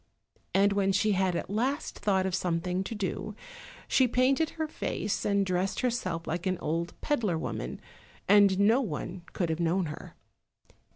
And when she had at last thought of something to do, she painted her face, and dressed herself like an old peddler woman, and no one could have known her.